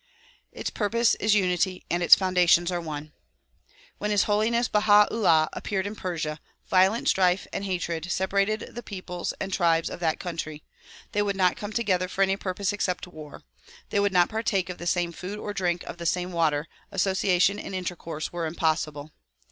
Its purpose is unity and its foundations are one. When His Holiness Baha 'Ullah appeared in Persia violent strife and hatred separated the peoples and tribes of that country, They would not come together for any purpose except war; they would not partake of the same food or drink of the same water; association and intercourse were impossible.